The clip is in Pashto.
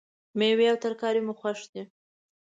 میوې او ترکاری مو خوښ دي